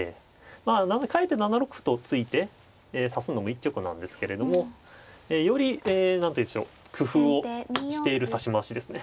まあなのでかえって７六歩と突いて指すのも一局なんですけれどもより何というのでしょう工夫をしている指し回しですね。